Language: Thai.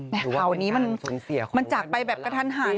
ข่าวนี้มันจากไปแบบกระทันหัน